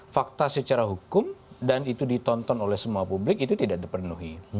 fakta secara hukum dan itu ditonton oleh semua publik itu tidak terpenuhi